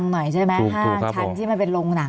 มีความรู้สึกว่ามีความรู้สึกว่า